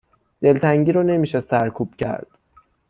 دلتنگی رو نمی شه سرکوب کرد